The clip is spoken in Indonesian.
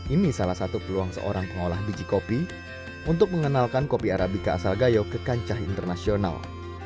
ini salah satu peluang seorang pengolah biji kopi untuk mengenalkan kopi arabica asal gayo ke kancah internasional